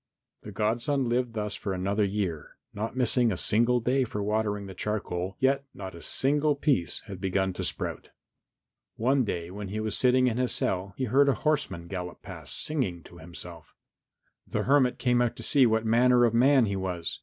The godson lived thus for another year, not missing a single day for watering the charcoal, yet not a single piece had begun to sprout. One day when he was sitting in his cell he heard a horseman gallop past, singing to himself. The hermit came out to see what manner of man he was.